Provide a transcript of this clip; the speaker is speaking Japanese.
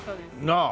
なあ。